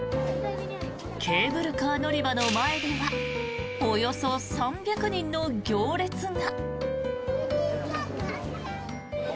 ケーブルカー乗り場の前ではおよそ３００人の行列が。